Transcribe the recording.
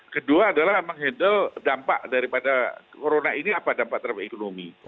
kedua adalah menghandle dampak daripada corona ini apa dampak terhadap ekonomi